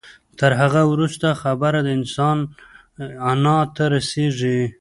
تر هغه وروسته خبره د انسان انا ته رسېږي.